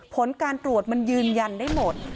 ผลการตรวจมันยืนยันได้หมด